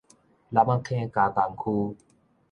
楠仔坑加工區